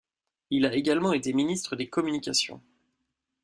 Il a également été ministre des communications.